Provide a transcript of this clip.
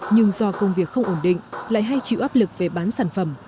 nhưng do công việc không ổn định lại hay chịu áp lực về bán sản phẩm